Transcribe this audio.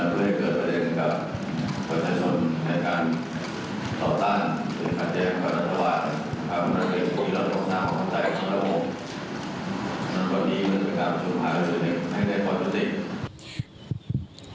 ที่การปรับโครงสร้างขายลับเสร็จ